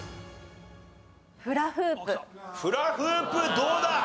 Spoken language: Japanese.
フラフープどうだ？